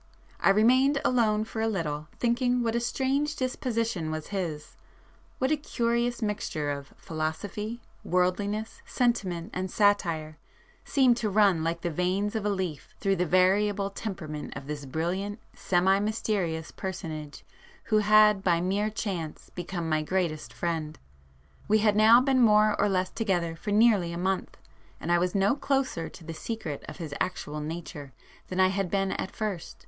I remained alone for a little, thinking what a strange disposition was his,—what a curious mixture of philosophy, worldliness, sentiment and satire seemed to run like the veins of a leaf through the variable temperament of this brilliant, semi mysterious personage who had by mere chance become my greatest friend. We had now been more or less together for nearly a month, and I was no closer to the secret of his actual nature than I had been at first.